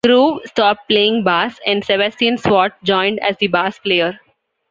Grewe stopped playing bass and Sebastian Swart joined as the bass player.